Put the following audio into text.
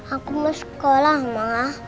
aku mau sekolah ma